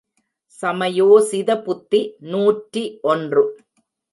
சமயோசித புத்தி நூற்றி ஒன்று.